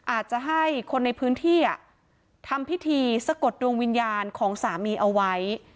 อาจจะให้คนในพื้นที่ทำพิธีสะกดดวงวิญญาณของสามีเอาไว้